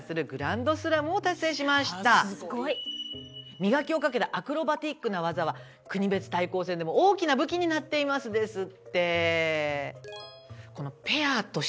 磨きをかけたアクロバティックな技は国別対抗戦でも大きな武器になっていますですって。